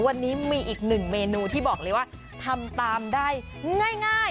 วันนี้มีอีกหนึ่งเมนูที่บอกเลยว่าทำตามได้ง่าย